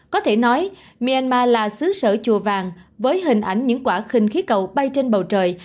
có thể nói myanmar là xứ sở chùa vàng với hình ảnh những quả khinh khí cầu bay trên bầu trời